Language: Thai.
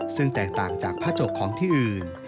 ซึ่งแตกต่างจากผ้าจกของที่อื่น